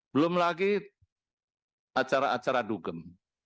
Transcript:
belum lagi acara acara dugem